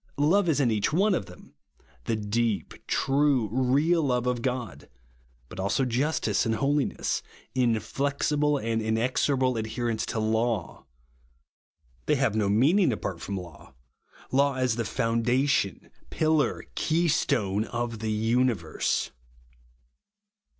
Love is in each of them ; the deep, true, real love of God ; but also justice and holiness ; inflexible and inexorable adherence to laiu. They have no meaning apart from lavj; law as the ioundation, pillar, keystone of the universe.